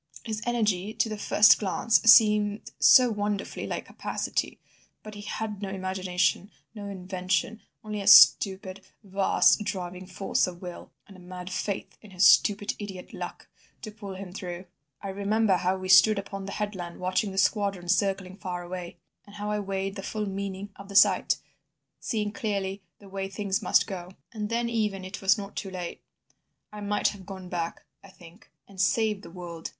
His energy to the first glance seemed so wonderfully like capacity! But he had no imagination, no invention, only a stupid, vast, driving force of will, and a mad faith in his stupid idiot 'luck' to pull him through. I remember how we stood upon the headland watching the squadron circling far away, and how I weighed the full meaning of the sight, seeing clearly the way things must go. And then even it was not too late. I might have gone back, I think, and saved the world.